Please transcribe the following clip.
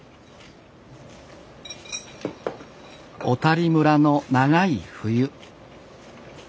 小谷村の長い冬。